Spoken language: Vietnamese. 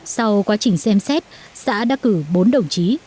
sau quá trình xem xét xã đã cử bốn đồng chí